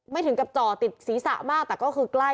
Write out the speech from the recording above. ถึงกับจ่อติดศีรษะมากแต่ก็คือใกล้